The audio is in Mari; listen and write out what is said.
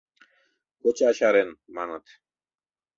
— Коча чарен, маныт.